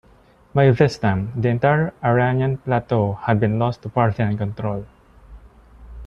By this time, the entire Iranian Plateau had been lost to Parthian control.